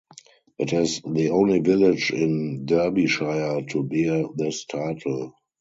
It is the only village in Derbyshire to bear this title.